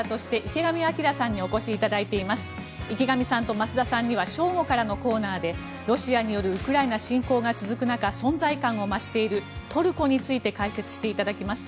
池上さんと増田さんには正午からのコーナーでロシアによるウクライナ侵攻が続く中存在感を増しているトルコについて解説していただきます。